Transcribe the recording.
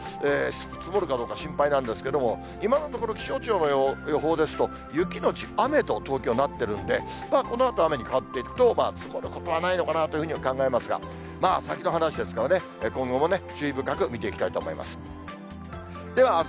積もるかどうか心配なんですけれども、今のところ、気象庁の予報ですと、雪後雨と東京なってるんで、このあと雨に変わっていくと、積もることはないのかなというふうに考えますが、先の話ですからね、今後もね、注意深く見ていきたいと思います。